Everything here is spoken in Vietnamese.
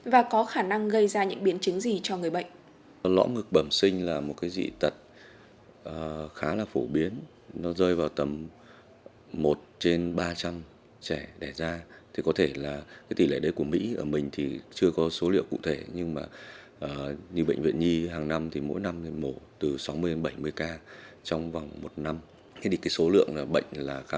và có khả năng gây ra những biến chứng gì cho người bệnh